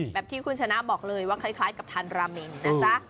แบบที่คุณชนะบอกเลยว่าคล้ายกับทานราเมงนะจ๊ะ